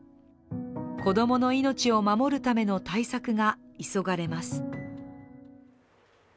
子供の命を守るための対策が急がれます。